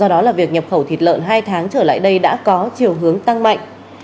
đó là việc nhập khẩu thịt lợn hai tháng trở lại đây đã có chiều hướng tăng mạnh